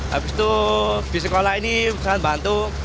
habis itu bus sekolah ini sangat bantu